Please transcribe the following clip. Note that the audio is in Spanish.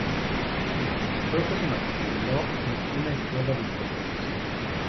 Pronto se matriculó en una escuela de interpretación.